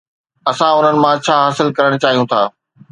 اسان انهن مان ڇا حاصل ڪرڻ چاهيون ٿا؟